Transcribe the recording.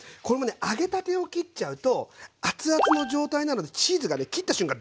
揚げたてを切っちゃうとアツアツの状態なのでチーズがね切った瞬間